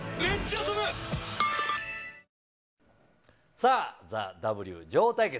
さあ、ＴＨＥＷ女王対決。